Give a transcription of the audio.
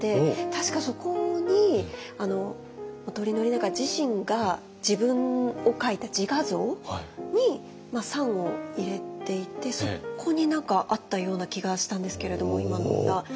確かそこに本居宣長自身が自分を描いた自画像に賛を入れていてそこに何かあったような気がしたんですけれども今の歌。